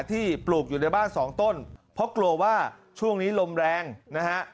ปลูกอยู่ในบ้านสองต้นเพราะกลัวว่าช่วงนี้ลมแรงนะฮะ